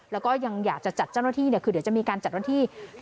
แล้วก็ยังอยากจะจัดเจ้าหน้าที่คือเดี๋ยวจะมีการจัดวันที่